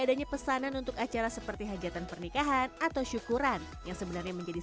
adanya pesanan untuk acara seperti hajatan pernikahan atau syukuran yang sebenarnya menjadi